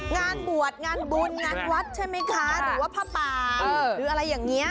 งานบวชงานบุญงานวัดใช่ไหมคะหรือว่าผ้าป่าหรืออะไรอย่างนี้